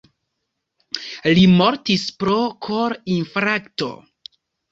Li mortis pro kor-infarkto.